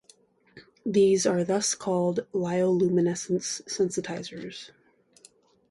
These are thus called lyoluminescence sensitizers.